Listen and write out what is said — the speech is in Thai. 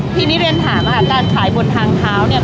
ทีนี้เรียนถามค่ะการขายบนทางเท้าเนี่ย